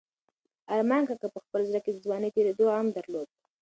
ارمان کاکا په خپل زړه کې د ځوانۍ د تېرېدو غم درلود.